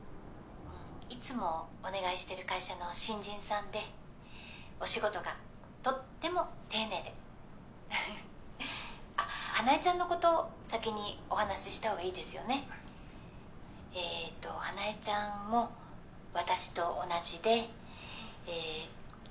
いつもお願いしてる会社の新人さんでお仕事がとっても丁寧であっ花枝ちゃんのこと先にお話ししたほうがいいですよねえと花枝ちゃんも私と同じでええ